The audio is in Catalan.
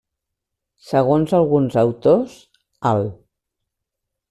Segons alguns autors, el.